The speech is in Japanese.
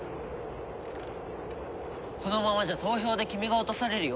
このままじゃ投票で君が落とされるよ。